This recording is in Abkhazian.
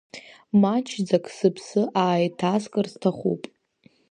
Маҷӡак сыԥсы ааиҭаскыр сҭахуп…